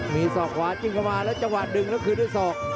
มีสอกขวาจึงกลับมาแล้วจังหวัดดึงแล้วคืนด้วยสอก